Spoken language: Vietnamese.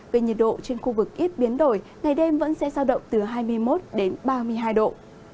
về nhiệt độ trên khu vực ít biến đổi ngày đêm vẫn sẽ giao động từ hai mươi một đến ba mươi hai độ